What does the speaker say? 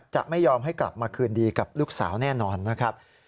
จะไม่ยอมให้กลับมาคืนดีกับลูกสาวแน่นอนนะครับ